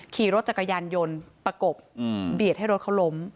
ขี่รถจักรยานโยนประกบเดี๋ยวเกิดให้รถเขาล้ม